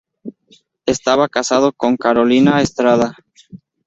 Estaba casado con Carolina Estrada.